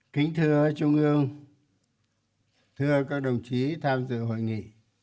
kính thưa trung ương thưa các đồng chí tham dự hội nghị